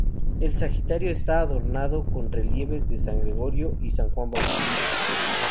El sagrario está adornado con relieves de San Gregorio y San Juan Bautista.